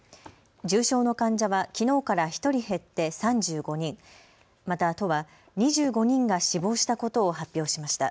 重症の患者はきのうから１人減って３５人、また都は２５人が死亡したことを発表しました。